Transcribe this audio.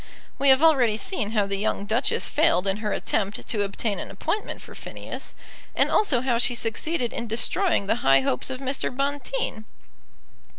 We have already seen how the young Duchess failed in her attempt to obtain an appointment for Phineas, and also how she succeeded in destroying the high hopes of Mr. Bonteen.